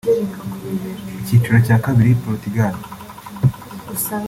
Icyiciro cya kabiri Portugal )